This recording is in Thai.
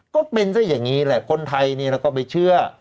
ก็เป็นซะอย่างนี้แหละคนไทยนี่เราก็ไปเชื่อ